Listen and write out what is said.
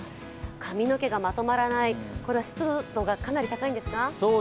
髪の毛がまとまらない、これは湿度がかなり高いんですか？